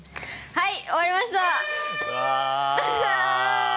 はい。